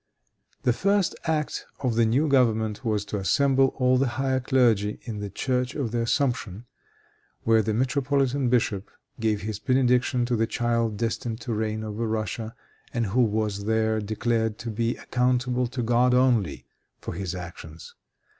The first act of the new government was to assemble all the higher clergy in the church of the Assumption, where the metropolitan bishop gave his benediction to the child destined to reign over Russia, and who was there declared to be accountable to God only for his actions.